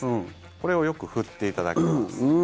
これをよく振っていただきます。